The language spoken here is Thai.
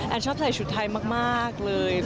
ชอบใส่ชุดไทยมากเลย